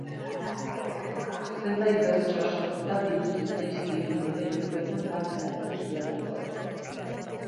Zenbait bertso sorta bildu zitzaizkion, Lore Jokoetan parte hartu zuelako.